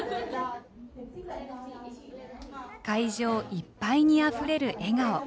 会場いっぱいにあふれる笑顔。